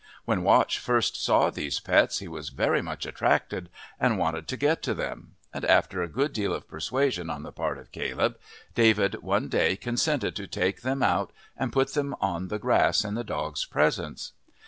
When Watch first saw these pets he was very much attracted, and wanted to get to them, and after a good deal of persuasion on the part of Caleb, David one day consented to take them out and put them on the grass in the dog's presence.